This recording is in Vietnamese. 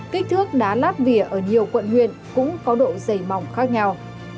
kích thước đá lát vỉa ở nhiều quận huyện cũng có độ dày mỏng khác nhau